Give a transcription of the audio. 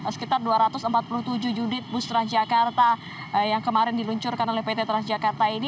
sekitar dua ratus empat puluh tujuh unit bus transjakarta yang kemarin diluncurkan oleh pt transjakarta ini